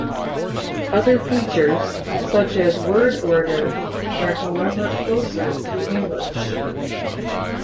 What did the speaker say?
Other features, such as word order, are however closer to English.